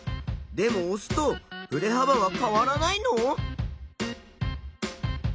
でも押すとふれ幅は変わらないの？